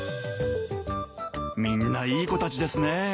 みんないい子たちですね。